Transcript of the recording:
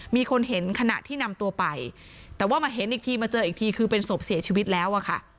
มีคนเห็นขณะที่นำตัวไปแต่ว่ามาเห็นอีกทีมาเจออีกทีคือเป็นศพเสียชีวิตแล้วอะค่ะ